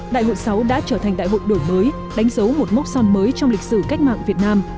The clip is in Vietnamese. đại hội sáu đã trở thành đại hội đổi mới đánh dấu một mốc son mới trong lịch sử cách mạng việt nam